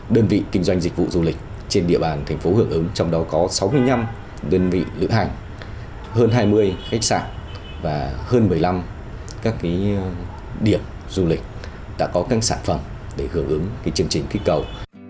đơn vị kinh doanh dịch vụ du lịch trên địa bàn thành phố hưởng ứng trong đó có sáu mươi năm đơn vị lựa hành hơn hai mươi khách sạn và hơn một mươi năm các điểm du lịch đã có các sản phẩm để hưởng ứng chương trình kích cầu